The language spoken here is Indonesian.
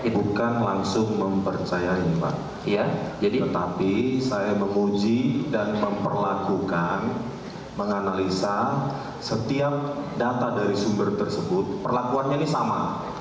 bukan langsung mempercayai pak tetapi saya memuji dan memperlakukan menganalisa setiap data dari sumber tersebut perlakuannya ini sama